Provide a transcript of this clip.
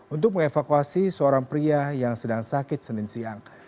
untuk mengevakuasi seorang pria yang sedang sakit senin siang